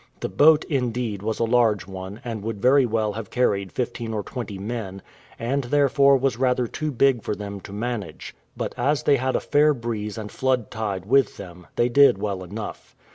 The boat, indeed, was a large one, and would very well have carried fifteen or twenty men, and therefore was rather too big for them to manage; but as they had a fair breeze and flood tide with them, they did well enough.